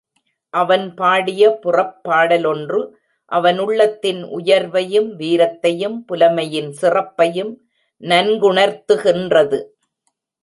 அவன் பாடிய புறப்பாடலொன்று அவன் உள்ளத்தின் உயர்வையும், வீரத்தையும், புலமையின் சிறப்பையும் நன்குணர்த்துகின்றது.